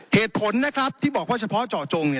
เหตุผลที่บอกว่าเฉพาะเจาะจง